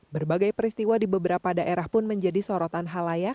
berbagai peristiwa di beberapa daerah pun menjadi sorotan halayak